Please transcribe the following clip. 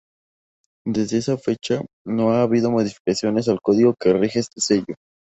Desde esa fecha, no ha habido modificaciones al código que rige este sello.